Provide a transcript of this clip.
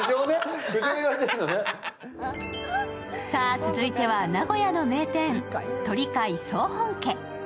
続いては名古屋の名店、鳥飼総本家。